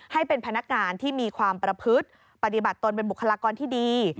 ให้เป็นพนักงานที่มีความประพฤติปฏิบัติตนเป็นบุคลากรที่ดี